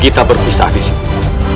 kita berpisah disini